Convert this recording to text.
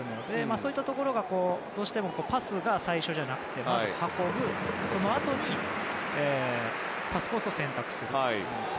そういったところでどうしてもパスが最初じゃなくてまず運ぶ、そのあとにパスコースを選択する。